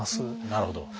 なるほど。